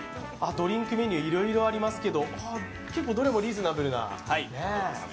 ドリンクメニューいろいろありますけど、どれもリーズナブルな。